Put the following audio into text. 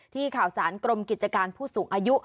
ข่าวสารกรมกิจการผู้สูงอายุ